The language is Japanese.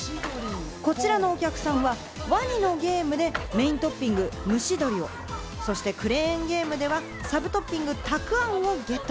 こちらのお客さんは、ワニのゲームでメイントッピング・蒸し鶏、クレーンゲームではサブトッピング・たくあんをゲット。